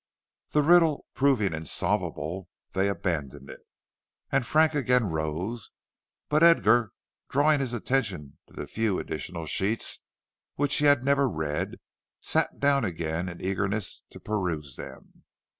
The riddle proving insolvable, they abandoned it, and Frank again rose. But Edgar drawing his attention to the few additional sheets which he had never read, he sat down again in eagerness to peruse them.